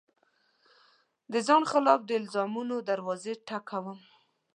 د ځان خلاف د الزامونو دروازې ټک وم